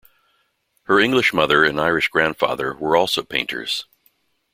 Her English mother and Irish grandfather were also painters.